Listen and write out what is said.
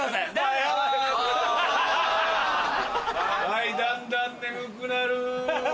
はいだんだん眠くなる。